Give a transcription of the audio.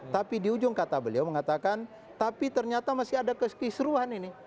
tapi di ujung kata beliau mengatakan tapi ternyata masih ada kekisruhan ini